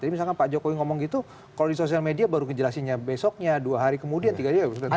jadi misalkan pak jokowi ngomong gitu kalau di sosial media baru ngejelasinnya besoknya dua hari kemudian tiga hari kemudian